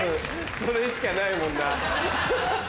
それしかないもんな。